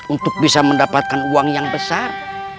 untuk bisa mendapatkan uang yang besar